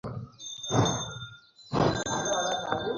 মনে রেখো, এটাকে গাড়ি বলে, ফ্যানি নয়।